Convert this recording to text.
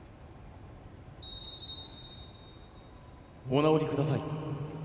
お直りください。